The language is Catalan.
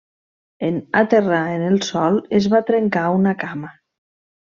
En aterrar en el sòl, es va trencar una cama.